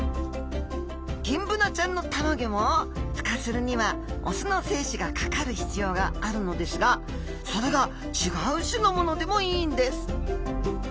ギンブナちゃんのたまギョもふ化するには雄の精子がかかる必要があるのですがそれが違う種のものでもいいんです！